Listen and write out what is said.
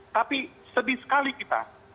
tapi sedih sekali kita